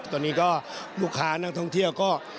ตอนนี้ก็ลูกค้านักท่องเที่ยวก็